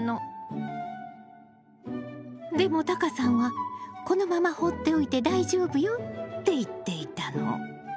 でもタカさんは「このまま放っておいて大丈夫よ」って言っていたの。